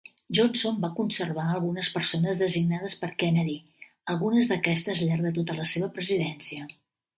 Johnson va conservar algunes persones designades per Kennedy, algunes d'aquestes al llarg de tota la seva presidència.